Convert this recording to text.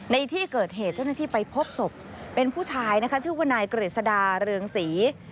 ในที่เกิดเหตุเจ้าหน้าที่ไปพบศพเป็นผู้ชายนะคะชื่อว่านายกฤษดาเรืองศรี